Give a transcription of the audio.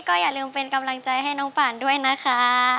ก็อย่าลืมเป็นกำลังใจให้น้องป่านด้วยนะคะ